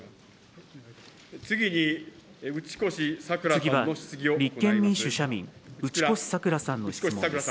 次は立憲民主・社民、打越さく良さんの質問です。